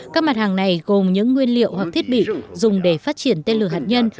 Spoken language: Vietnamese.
các mặt hàng này gồm những nguyên liệu hoặc thiết bị dùng để phát triển tên lửa hạt nhân